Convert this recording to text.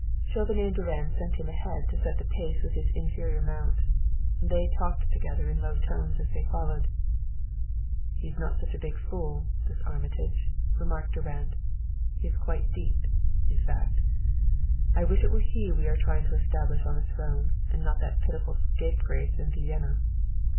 Chauvenet and Durand sent him ahead to set the pace with his inferior mount. They talked together in low tones as they followed. "He is not so big a fool, this Armitage," remarked Durand. "He is quite deep, in fact. I wish it were he we are trying to establish on a throne, and not that pitiful scapegrace in Vienna."